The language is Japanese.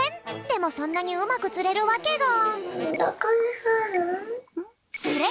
でもそんなにうまくつれるわけが。